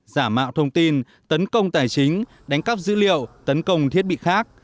giả mạo thông tin tấn công tài chính đánh cắp dữ liệu tấn công thiết bị khác